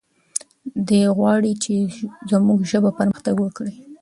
دی غواړي چې زموږ ژبه پرمختګ وکړي.